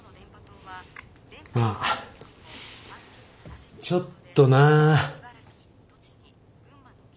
まあちょっとな。